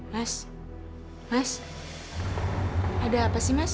mas mas ada apa sih mas